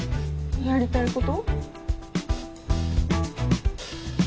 やりたいこと？